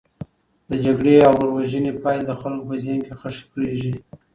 د جګړې او ورور وژنې پایلې د خلکو په ذهن کې خښي کیږي.